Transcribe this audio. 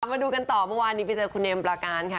มาดูกันต่อเมื่อวานนี้ไปเจอคุณเอมประการค่ะ